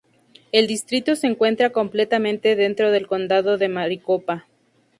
El distrito se encuentra completamente dentro del condado de Maricopa.